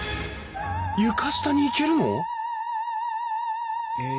床下に行けるの？え。